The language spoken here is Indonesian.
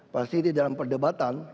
pasti di dalam perdebatan